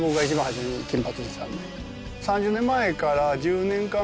３０年前から。